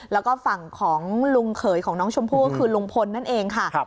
แล้วก็ฝั่งของลุงเขยของน้องชมพู่ก็คือลุงพลนั่นเองค่ะ